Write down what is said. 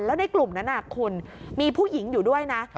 แล้วในกลุ่มนั้นคุณมีผู้หญิงอยู่ด้วยนะ